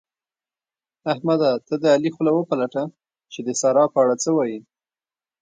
احمده! ته د علي خوله وپلټه چې د سارا په اړه څه وايي؟